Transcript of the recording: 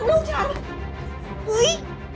แม่